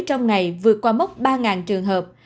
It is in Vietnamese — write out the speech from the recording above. trong ngày vượt qua mốc ba trường hợp